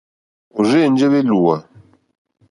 Ò rzênjé wélùwà.